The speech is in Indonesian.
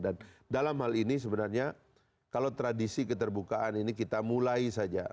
dan dalam hal ini sebenarnya kalau tradisi keterbukaan ini kita mulai saja